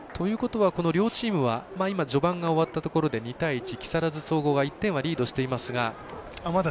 両チームは今、序盤が終わったところで２対１、木更津総合１点リードしていますが。